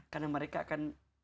karena mereka akan